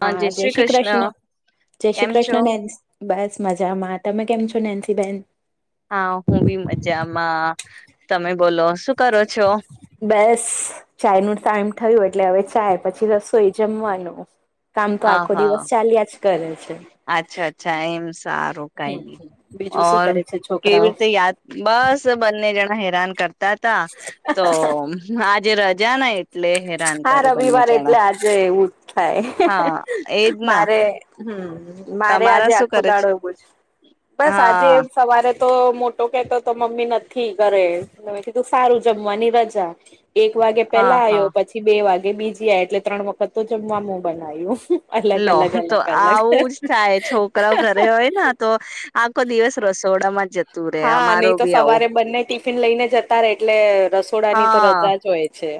હા જય શ્રી કૃષ્ણ, જય શ્રી કેમ છો? કૃષ્ણ બસ મજામાં તમે કેમ છો નેન્સીબેન? હા હું બી મજામાં. તમે બોલો શું કરો છો? બસ ચાય નું ટાઈમ થયું એટલે હવે ચાય પછી રસોઈ જમવાનું. કામ તો આ આખો હા દિવસ ચાલ્યા જ કરે છે. અચ્છા અચ્છા એમ સારું કઈ નહીં બીજું શું ઓર કરે છે કેવી છોકરાઓ રીતે યાદ બસ બંને જણા હેરાન કરતા હતા તો આજે રજા ને એટલે હેરાન હા કરે બંને રવિવાર જણા એટલે આજે એવું જ હા થાય એજ ના મારે હમ મારે તમારા આજે શું આખો કરે દાડો એવો છે બસ આજે હા એમ સવારે તો મોટો કેતો તો મમ્મી નથી કરેથી તું સારું જમવાની રજા એક વાગે હા પેલા હા આવ્યો પછી બે વાગે બીજી આ એટલે ત્રણ વખત તો જમવાનું બનાય્યું. લો તો આવું જ થાય છોકરાઓ ઘરે હોય ને તો આખો દિવસ રસોડામાં જ જતો હા નહી તો સવારે બંને ટી ટીફીન લઈને જતા રે એટલે રસોડાની તો હા રજા જ હોય છે.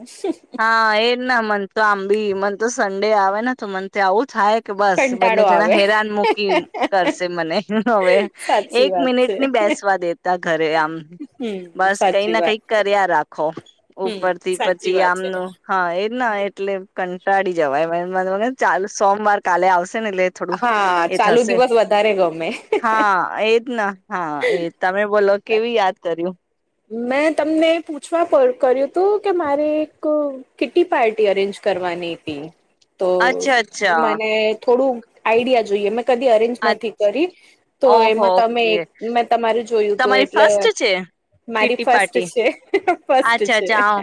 હા એજ ના મન તો આંબી મન તો સન્ડે આવે ને તો મનથી તો આવું થાય કે બસ બંને કંટાળો જણા આવે હેરાન મૂકી કરશે મને હવે સાચી એક વાત મિનિટ છે ની બેસવા દેતા ઘરે આમ હમ બસ કઈ સાચી ના વાત કઈ કર્યા રાખ ખો હમ ઉપરથી સાચી પછી વાત છે આમનું હા એજ ના એટલે કંટાળી [unintelligible] જવાય ચાલ સોમવાર કાલે આવશે ને એટલે થોડું હા એ ચાલું થશે દિવસ વધારે ગમે હા એજ હા એજ તમે બોલો કેવી યાદ કર્યું મેં તમને પૂછવા કર્યું હતું કે મારે એક કીટી પાર્ટી અરેન્જ કરવાની હતી. તો અચ્છા અચ્છા મને થોડું આઈડિયા જોઈએ મે કદી અરેન્જ નથી કરી તો ઓહો એમાં તમે ઓકે એક મેં તમારે જોયું હતું તમારી એટલે ફર્સ્ટ છે મારી કીટી ફસ્ટ પાર્ટી. છે ફસ્ટ છે.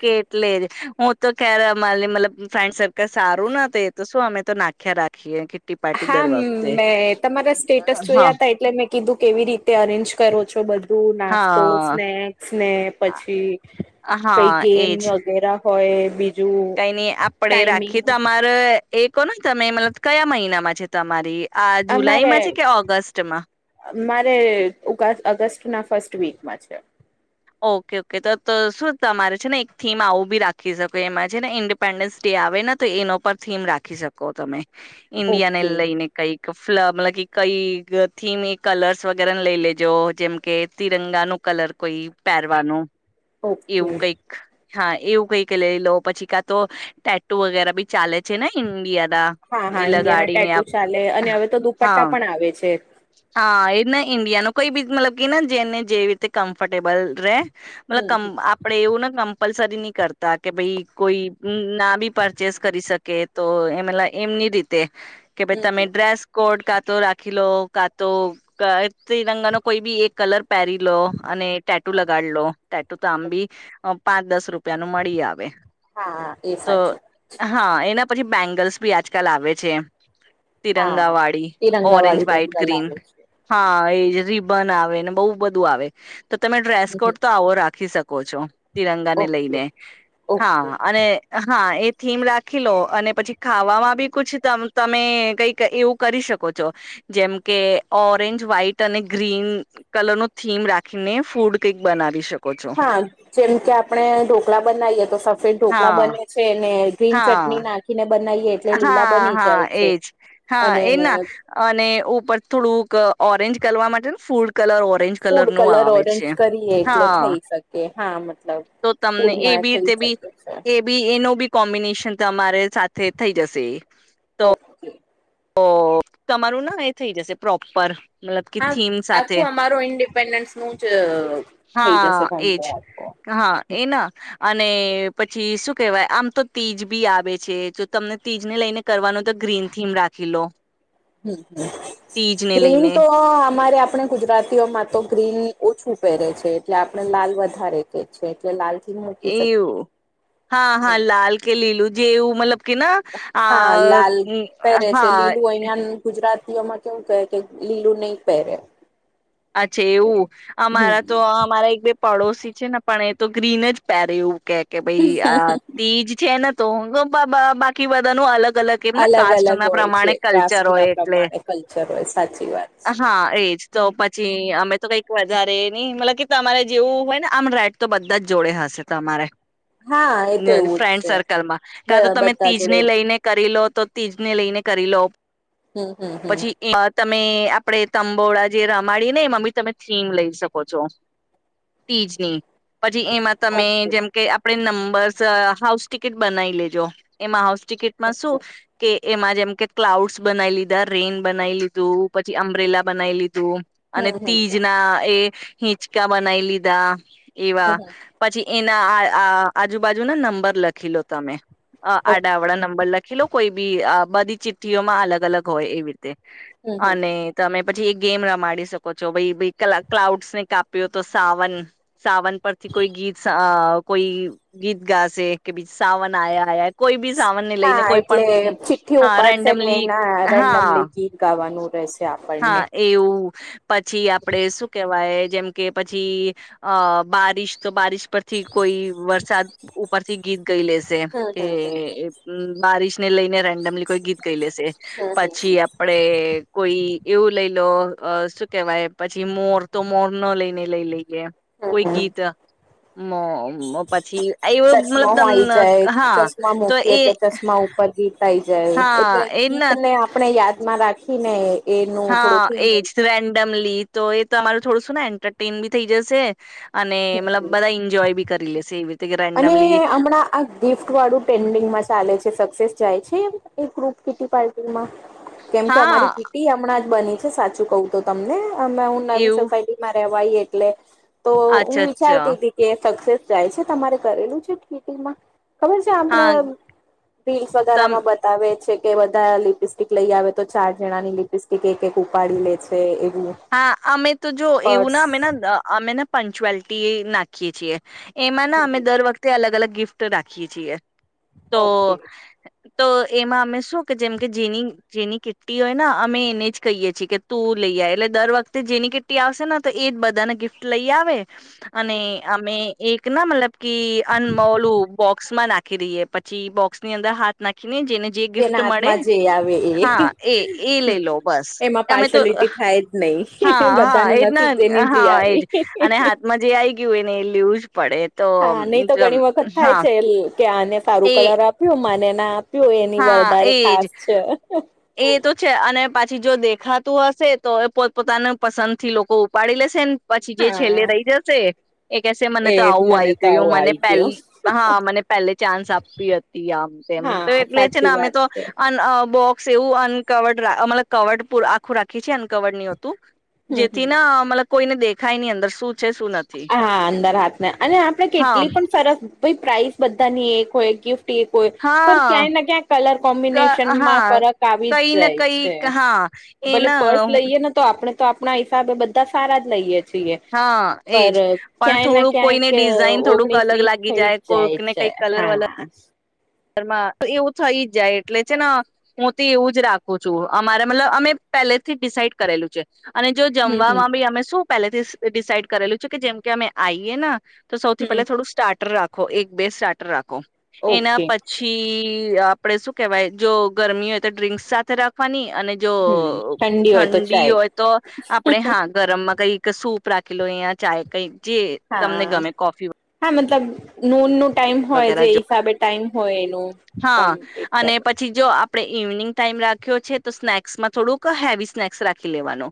કે એટલે જ હું તો ખેર અમારી મતલબ ફ્રેન્ડ સર્કલ સારું ન હત એ તો શું અમે તો નાખ્યા રાખી ખીએ કે હા મેં તમારા સ્ટેટસ હા જોયા હતા એટલે મેં કીધું કેવી રીતે અરેન્જ કરો છો બધું નુ નાસ્તો હા. સ્નેક્સ ને પછી કઈ હા ગેમ એજ વગેરે હોય બી કઈ નઈ આપડે રાખીએ તમારે એ કોહ ને તમે મતલબ કયા મહિનામાં છે તમારી આ જુલાઈ માં છે અમારે કે ઓગસ્ટમાં મારે ઓગ અગસ્ત ના ફર્સ્ટ વીકમાં છે. ઓકે ઓકે તો તો શું તમારે છે ને એક થીમ આવું બી રાખી શકો એમાં છે ને ઈન ડિ પેન્ડન્સ ડે આવે ને તો એનો પર થીમ રાખી શકો તમે ઈન્ડિયા ને ઓકે લઈને કઈ મતલબ કે કઈ થીમ એ કલર્સ વગેરેને લઈ લેજો જેમ કે તિરંગાનું કલર કોઈ પહેરવાનું ઓકે. એવું કઈક હા એવું કઈક લઈ લો પછી કા તો ટેટો વગેરે બી ચાલે છે ને ઇન્ડિયા હા હા ઇન્ડિયાના ટેટુ ચાલે અને હવે તો હા દુપટ્ટા પણ આવે છે. હા એ ઇન્ડિયા નુ કોઈ બી મતલબ કે જેને જેવી રીતે કમ્ફર્ટેબલ રે મતલબ હમ કમ આપ આપણે એવું ને કમ્પલસરી નહી કરતા કે ભાઈ કોઈ ના બી પરચેસ કરી શકે. તો એમલા એમની રીતે કે ભાઈ હમ તમે હમ. ડ્રેસ કોડ કાતો રાખી લો કાતો ત્રિરંગા નુ કોઈ બી એક કલર પહેરી લો અને ટે ટેટુ લગાડ લો ટેટુ તો આંબી પાંચ દસ રૂપિયાનું મળી આવે હા એ તો સાચુ હા એના પછી બેંગલ્સ ભી આજકાલ આવે છે એમ હા તિરંગાવાડી તિરંગા ઓરેન્જ વાળી વ્હાઈટ બેંગલ ગ્રીન આવે છે. હા એજ રિબન આવે ને બહુ બધું આવે તો તમે ડ્રેસ હમ કોડ તો આવો રાખી શકો છો તિરંગાને ઓકે લઈને ઓકે. હા અને હા એ થીમ રાખી લો અને પછી ખાવામાં બી કુછ તમ તમે કઈક એવું કરી શકો છો. જેમ કે ઓરેન્જ, વ્હાઈટ અને ગ્રીન કલરનો થીમ રાખીને ફૂડ કંઈક બનાવી શ હા જેમ કે આપણે ઢોકળા બનાવીએ તો સફેદ ઢોકળા હા બને છે ને ગ્રીન હા ચટણી નાખીને બનાવીએ એટલે લીલા હા બની હા જાય છે એજ હા અને એ ના એને અને ઉપર થોડુંક ઓરેન્જ કરવા માટે ને ફૂડ કલર ઓ ફૂડ કલર ઓરેન્જ કરીએ એટલે હા થઈ શકે હા મતલબ તો તમને ફૂડમાં એવી થઈ રીતે બી શકે છે એ બી એનો બી કોમ્બિનેશન તમારે સાથે થઈ જશે. કો. તો તમારું ના એ થઈ જશે પ્રોપર. મતલબ કે આ થીમ સાથે આખું અમારો ઇન્ડિપેન્ડન્સનું જ થઈ હા જશે કોમ્બો. એજ હા એના અને પછી શું કેહવાય આમ તો તીજ બી આવે છે જો તમને તીજને લઈને કરવાનું તો ગ્રીન થીમ રાખી લો. હમ્મ, તીજને ગ્રીન લઈને તો અમારે આપ આપણે ગુજરાતીઓમાં તો ગ્રીન ઓછું પહેરે છે એટલે આપણે લાલ વધારે. કે છે એટલે લાલ થીમ મૂકી શકીએ એવું હા હા હમ્મ. લાલ કે લીલું જેવું મતલબ કે ન આ અ હા. બયાન ગુજરાતીઓમાં કેવું કેય કે લીલું નઈ પહેરે. અચ્છા એવું! અમારા તો આ મારે એક બે પડોશી છે ને પણ એ તો ગ્રીન જ પહેરયુ એવું કે કે ભઈ આ તીજ છે ને તો તો બ બ બાકી બધાંનું અલગ-અલગ કેમને અલગ અલગ કાસ્ટના હોય છે પ્રમાણે કાસ્ટ કલ્ચર ના હોય એટલે પ્રમાણે કલ્ચર હોય સાચી વાત છે હા એજ. ચૌપટ. જી અમે તો કંઈક વધારે નઈ મતલબ કે તમારે જેવું હોય ને આમ રાઈટ તો બધા જ જોડે હશે તમારે. હા એ તો એવું જ ફ્રેન્ડ છે સર્કલમાં કા તો તમે બધા તીજને જોડે લઈને કરી લો તો તીજને લઈને કરી લો હમ હમ હમ પછી [inaudible] તમે આપડે તંબોળા જે રા માળીને એમાં બી તમે થીમ લઈ શકો છો તીજની. પછી એમાં તમે ઓકે જેમ કે આપડે નંબર્સ સ હાઉસ ટિકિટ બનાવી લેજો એમાં હાઉસ ટિકિટમાં શું ઓકે કે એમાં જેમ કે ક્લાઉડ્સ બનાવી લીધાં, રેઈન બનાઈ લીધું પછી અંબરેલા બનાઈ લીધું. અને હમ હમ તીજના એ હિંચકા બનાઈ લીધાં હમ એવાં હમ પછી એના આ આ આજુબાજુના નંબર લખી લો તમે. અ ઓકે આડાઆવળા નંબર લખી લો કોઈ બી અ બધી ચિઠ્ઠીઓમાં અલગ-અલગ હોય એવી રીતે. હમ હમ અને તમે પછી એ ગેમ રમાડી શ શકો છો ભઈ ભઈ ક્લાઉડસને કાપ્યો તો સાવન સાવન પરથી કોઈ ગીત શ અ કોઈ ગીત ગાશે કે બીજ સાવન આયા આયા હે. કોઈ બી સાવનને લઈને હા કોઈ એટલે પણ ચિઠ્ઠી હા ઉપાડશે ને રેન્ડમલી એના રેન્ડમલી હા. ગીત ગાવાનું રહેશે આપણને. હા એવું પછી આપડે શું કેવાય જેમ કે પછી અ બારિશ તો બારીશ પરથી કોઈ વરસાદ ઉપરથી ગીત ગઈ લેશે હમ કે હમ હમ એ હમ્મ બારિશને લઈને રેન્ડમલી કોઈ ગીત ગાઈ લેશે હમ હમ પછી આપડે કોઈ એવું લઈ લો અ શુ કેવાય પછી મોર તો મોરનો લઈને લઈ લઈએ હમ કોઈ હમ ગીત. મ મ પછી આયવુ મતલબ ચશ્મા આઈ તમને હા તો એ પરથી થઈ જાય હા એટલે એ જ ના ગીત આપણે યાદમાં રાખીને એનું હા થોડુંક એજ રેન્ડમલી તો એ તમારું થોડું શું ને એન્ટરટેન બી થઈ જશે. અને હમ હમ મતલબ બધાં ઈન્જોય બી કરી લેશે એવી રીતે. કે અને રેન્ડમલી હમણાં આ ગિફ્ટ વાળું ટ્રેન્ડિંગમાં ચાલે છે સક્સેસ જાય છે, એ એક ગ્રુપ કીટી પાર્ટી કેમકે હા અમારી કીટી હમણાં જ બની છે સાચું કઉ તો તમને અને નવી એવું સોસાયટીમાં રેવા આઈ એટલે તો હું અચ્છા અચ્છા વિચારતી હતી કે સક્સેસ જાય છે. તમારે કરેલું છે કીટીમા? ખબર છે આપણે હા વીસ હજાર તમ આમા બ બતાવે છે, કે બધા લિપસ્ટિક લઈ આવે તો ચાર જણાની લિપસ્ટિક એક એક ઉપાડી લે છે, એ હા અમે તો જો એવું ના અમે અમેને પંચુઅલિટી નાખીએ છીએ એમાં ના અમે દર વખતે અલગ અલગ ગિફ્ટ રાખીએ છીએ તો ઓકે તો એમાં અમે શું કે જેમ કે જેનીગ જેની કીટી હોય ને અમે એને જ કહીએ છીએ કે તું લઈ આય એટલે દર વખતે જેની કિટટી આવશે ને તો એ જ બધાને ગિફ્ટ લઈ આવે અને અમે એક ના મતલબ કે અનમલું બોક્સમાં નાખી નાખી દઈએ પછી બોક્સની અંદર હાથ નાખીને જેને જે ગિફ્ટ જેના મળે હાથમાં જે આવે એ હા, એ, એ, હમ લઈ લો બસ એમાં અમે તો પાર્શલિટી થાય જ નહી હા, હા, બધાનું એજ નસીબ જેની ના જે હા એજ આવી અને હા મજે આઈ ગયું એને એ લેવું જ પડે તો હા, નહી તો ઘણી વખત થાય હા છે, એ કે આને સારું એ કલર આપ્યું મને ના આપ્યું એની હા વધારે એજ ખાસ છે એ તો છે, અને પાછી જો દેખાતું હશે તો એ પોત પોતાનું પસંદ થી લોકો ઉપાડી લેશે પછી જે હા છેલ્લે રહી જશે એ કેહેશે મને એ તો આવું મને આવી તો ગયું આવું મને આવી ગયું પેલી હા, મને પહેલે ચાન્સ આપવી હતી આમ, તેમ, તો હા એટલે છે, ને સાચી અમે વાત તો છે અન બોક્સ એવું અનકવર્ડતલબ કવર્ડ આખું રાખી છે, અનકવર્ડ ની હતું હમ હમ જેથી ના મતલબ કોઈને દેખાય ની અંદર શું છે, શું નથી હા, અંદર હાથને અને આપણે હા કેટલી પણ સરસ ભઈ પ્રાઇસ બધાની એક હોય ગિફ્ટ કે કોઈ પણ હા ક્યાંય ને ક્યાંક કલર ક કોમ્બિનેશનમાં હા ફરક આવી જ કઈ ને જાય કઈ છે હા ભલે પર્સ એના લઈએ ને તો આપણે તો આપણા હિસાબે બધા સારા જ લઈએ છીએ હા એજ, પર પણ ક્યાંય ને થોડુંક કોઈને ક્યાંક ડિઝાઇન થોડુંક ઓગણીસ અલગ વીસ લાગી થઈ જાય, જ કોઈકને છે કઈક કલર વલર હા એવું થઈ જ જાય એટલે છે, ન હું તો એવું જ રાખું છું અમારે મતલબ અમે પેલેથી ડિસાાઈડ કરેલું છે અને જો હમ હમ જમવામાં બી અમે શું પહેલેથી ડિસાઈડ કરેલું છે કે જેમ કે અમે આઈએન તો સૌથી હમ પહેલા થોડું સ્ટાર્ટર રાખો એક બે સ્ટાર્ટર રાખો એના ઓકે પી પછી, આપડે શું કેવાય જો ગરમી હોય તો ડ્રિંક્સ સાથે રાખવાની અને જો હમ હોય તો ઠંડી ચાય હોય તો આપડે હા ગરમમાં કઈક સૂપ રાખી લો, અહીયા ચાય કઈક જે તમને હા ગમે કોફી હા, મતલબ નૂન નું ટાઈમ હોય વગેરે જે જો હિસાબે ટાઈમ હોય એનું હા, કમ્પ્લીટ અને કરવું પછી પછી જો આપણે ઇવનિંગ ટાઈમ રાખ્યો છે, તો સ્નેક્સમાં થોડુંક હેવી સ્નેક્સ રાખી લેવાનો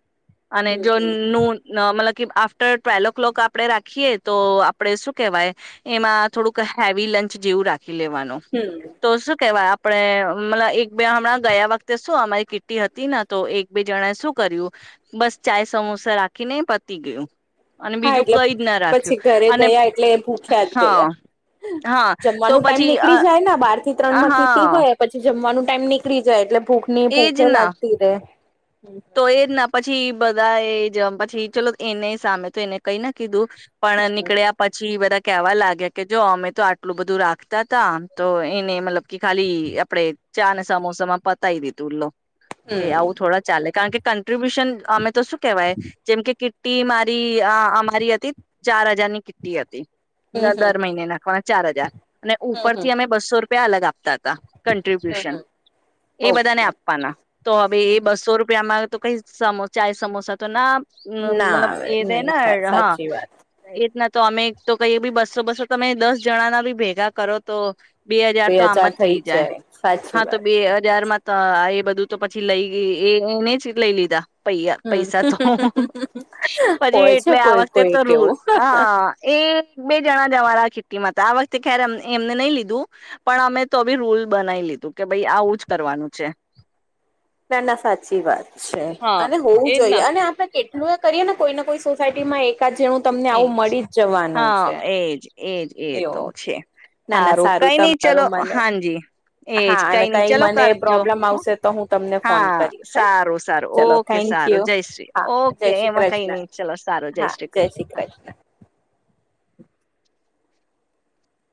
અને જો હમ હમ નુન મતલબ કે આફ્ટર ટ્વેલ ઓ ક્લોક આપડે રાખીએ તો આપડે શું કેહેવાય એમાં થોડુંક હેવી લંચ જેવું રાખી લેવાનું હમ્મ તો શું કેવાય આપણે મતલ એક બે હમણાં ગયા વખતે શું અમારી કીટી હતી ન તો એક બે જણાએ શું કર્યું બસ ચાય, સમોસા રાખીને પતી ગયું અને હા, બીજું એટલે કઈ જ ના રાખ્યું પછી ઘરે અને ગયા એટલે એ ભૂખ્યા જ ગયા હા હા તો જમવાનું ટાઈમ પછી નીકળી જાય બાર થી ત્રણ અ માં કીટી હા હોય પછી જમવાનું ટાઈમ નીકળી જાય એટલે ભૂખ ની એજ ભૂખે ના લાગતી રહેે [inaudible] તો એ ના પછી બધા એ જમ પછી ચલો એને સામે તો એને કઈ ના કીધું પણ નીકળ્યા પછી બધા કેવા લાગે કે જો અમે તો આટલું બધું રાખતાં તા તો એને મતલબ કે ખાલી પડે ચા ને સમોસામાં પતાઈ દીધું લો. હમ કે આવું થોડા ચાલે કારણ કે કન્ટ્રિબ્યુશન અમે તો શું કેહેવાય જેમ કે ટી મારી અમારી હતી ચાર હજાર ની કિટ્ટી હતી, હમ હમ દર મહિને નાખવા ચાર હજાર અને હમ ઉપર હમ થી હમ અમે બસો રૂપિયા અલગ આપતા તા હમ કન્ટ્રિબ્યુશન હમ. એ બધાને ઓકે આપવાના તો હવે એ બસ સો રૂપિયામાં તો કઈ સમ ચાય સમોસા તો ના અમ ના મતલબ આવે એ નહી તેના થાય હ સાચી વાત એ રીતના તો અમે એક તો કહીએ બી બસો બસો તમે દસ જણાના બી ભેગા કરો તો બે હજાર તો આમ જ થઈ જાય, હા તો બે હજારમાં તો આ એ બધું તો પછી લઈ ગઈ એ એને જ લઈ લીધા. પૈયા હમ પૈસા તો પછી હોય છે એટલે આ કોઈ વખતે કોઈ તો રૂ કેવું હા. એ બે જણા જવારા કીટીમાં હતા, આ વખતે ખેર એમને નઈ લીધું. પણ અમે તો બી રૂલ બનાઈ લીધું કે ભઈ આવું જ કરવાનું છે. ના ના સાચી વાત છે હા અને હોવું એજ ના જોઈએ અને આપણે કેટલું એ કરીએ ને કોઈને કોઈ સોસાયટીમાં એકાદ જણું તમને આવું એજ મળી જ જવાનું હા છે. એજ એજ એ તો એવું છે. ના ના હારુ સારું કઈ નઈ ચલો તમારું મને હાજી એજ હા અને કઈ નહીં ચલો મને કરજો. પ્રોબ્લેમ આવશે તો હું તમને ફોન હા કરીશ હે સારું સારું ચલો ઓકે થેન્ક સારું યુ જય શ્રી હા જય ઓકે શ્રી એમાં કઈ કૃષ્ણ નઈ. ચલો સારું, જય શ્રી કૃષ્ણ.